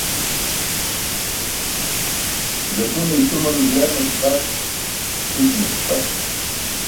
Ẓakune isumal yarne ke qaṣ, iljine ke qaṣ.